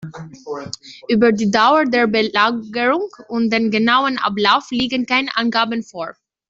Über die Dauer der Belagerung und den genauen Ablauf liegen keine Angaben vor.